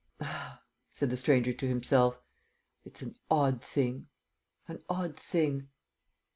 "Ah!" said the stranger to himself. "It's an odd thing, an odd thing!